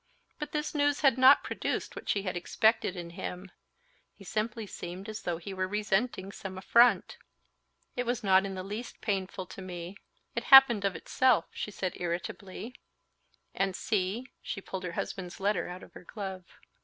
But this news had not produced what she had expected in him; he simply seemed as though he were resenting some affront. "It was not in the least painful to me. It happened of itself," she said irritably; "and see...." she pulled her husband's letter out of her glove.